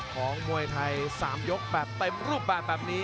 มวยไทย๓ยกแบบเต็มรูปแบบนี้